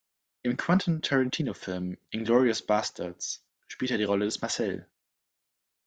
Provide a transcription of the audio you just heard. Im Quentin Tarantino-Film "Inglourious Basterds" spielte er die Rolle des Marcel.